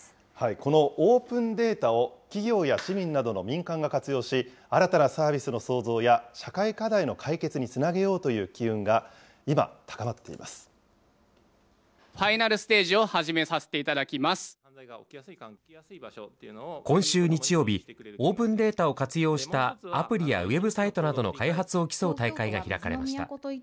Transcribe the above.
このオープンデータを企業や市民などの民間が活用し、新たなサービスの創造や社会課題の解決につなげようという機運がファイナルステージを始めさ今週日曜日、オープンデータを活用したアプリやウェブサイトなどの開発を競う大会が開かれました。